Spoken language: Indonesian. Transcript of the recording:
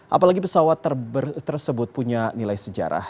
apalagi pesawat tersebut punya nilai sejarah